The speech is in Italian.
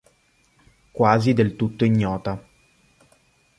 Quasi del tutto ignota.